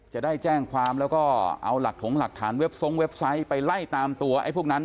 จะได้แจ้งความแล้วก็เอาหลักถงหลักฐานเว็บทรงเว็บไซต์ไปไล่ตามตัวไอ้พวกนั้น